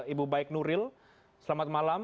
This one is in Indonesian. ibu baik nuril selamat malam